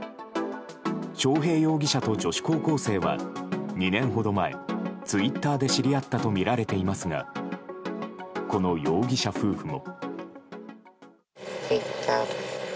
章平容疑者と女子高校生は２年ほど前ツイッターで知り合ったとみられていますがこの容疑者夫婦も。